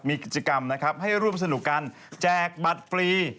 มีกิจกรรมให้รูปสนุกกันแจกบัตรฟรี